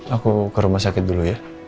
aku ke rumah sakit dulu ya